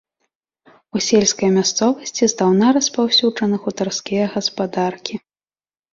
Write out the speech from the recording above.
У сельскай мясцовасці здаўна распаўсюджаны хутарскія гаспадаркі.